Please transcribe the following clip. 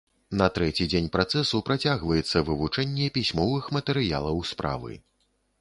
На трэці дзень працэсу працягваецца вывучэнне пісьмовых матэрыялаў справы.